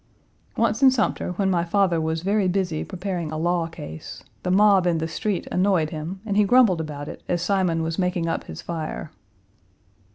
Once in Sumter, when my father was very busy preparing a law case, the mob in the street annoyed him, and he grumbled about it as Simon was making up his fire.